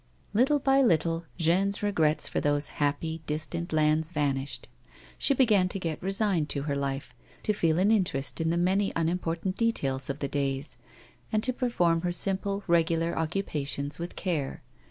Little by little, Jeanne's regrets for those happy, distant lands vanished ; she began to get resigned to her life, to feel an interest in the many unimportant details of the days, and to perform her simple, regular occupations with care.